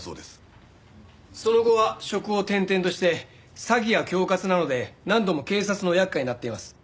その後は職を転々として詐欺や恐喝などで何度も警察の厄介になっています。